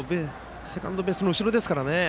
セカンドベースの後ろですからね。